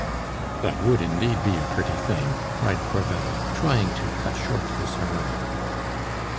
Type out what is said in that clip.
"That would, indeed, be a pretty thing!" cried Crevel, trying to cut short this harangue.